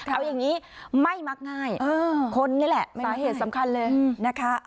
เอาอย่างนี้ไม่มักง่ายคนนี่แหละสาเหตุสำคัญเลยนะคะ